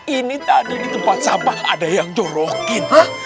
ini tadi di tempat sampah ada yang jorokin